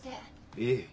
いえ。